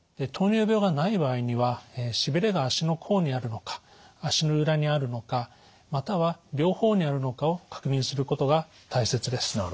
糖尿病がない場合にはしびれが足の甲にあるのか足の裏にあるのかまたは両方にあるのかを確認することが大切です。